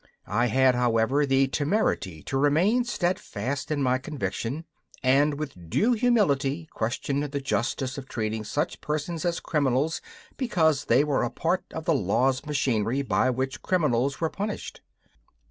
I had, however, the temerity to remain steadfast in my conviction, and with due humility questioned the justice of treating such persons as criminals because they were a part of the law's machinery by which criminals were punished.